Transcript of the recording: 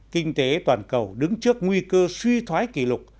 kinh tế toàn cầu đứng trước nguy cơ suy thoái kỷ lục